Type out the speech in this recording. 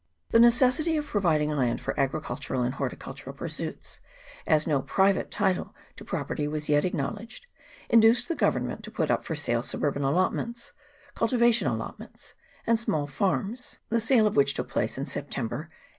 The necessity of providing land for agricultural and horticultural pursuits, as no private title to property was yet acknowledged, induced the Government to put up for sale suburban allotments cultivation allotments and small farms, the sale of which took place in September, 1841.